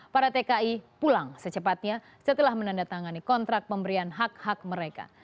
para tki pulang secepatnya setelah menandatangani kontrak pemberian hak hak mereka